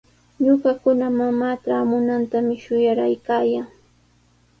Ñuqakuna mamaa traamunantami shuyaykaayaa.